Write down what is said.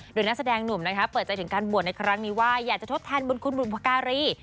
โดยนักแสดงหนุ่มนะคะเปิดใจถึงการบวชในครั้งนี้ว่าอยากจะทดแทนบุญคุณบุพการี